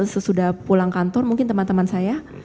sesudah pulang kantor mungkin teman teman saya